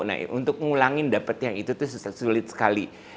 nah untuk mengulangi dapatnya itu sulit sekali